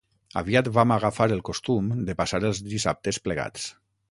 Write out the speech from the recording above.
Aviat vam agafar el costum de passar els dissabtes plegats.